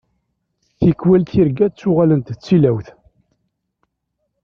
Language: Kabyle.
Tikwal tirga ttuɣalent d tilawt.